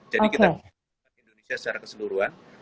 jadi kita melaporkan indonesia secara keseluruhan